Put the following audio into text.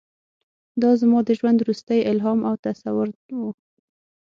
دا زما د ژوند وروستی الهام او تصور و.